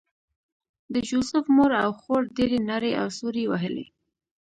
د جوزف مور او خور ډېرې نارې او سورې وهلې